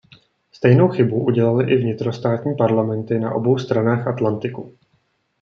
Stejnou chybu udělaly i vnitrostátní parlamenty na obou stranách Atlantiku.